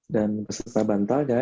dan beserta bantalnya